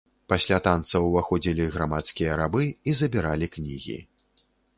Пасля танца ўваходзілі грамадскія рабы і забіралі кнігі.